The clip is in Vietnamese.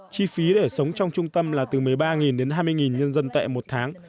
chi phí để sống trong trung tâm là từ một mươi ba đến hai mươi nhân dân tệ một tháng